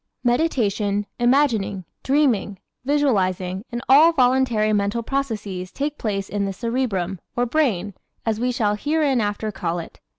Meditation, imagining, dreaming, visualizing and all voluntary mental processes take place in the cerebrum, or brain, as we shall hereinafter call it.